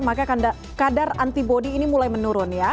maka kadar antibody ini mulai menurun ya